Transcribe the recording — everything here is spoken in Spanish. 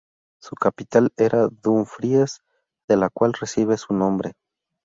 Su capital era Dumfries, de la cual recibe su nombre.